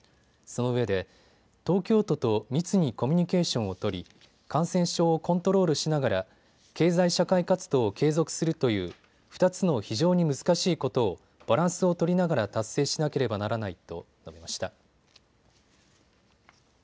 そのうえで東京都と密にコミュニケーションを取り、感染症をコントロールしながら経済社会活動を継続するという２つの非常に難しいことをバランスを取りながら達成しなければならないと述べました。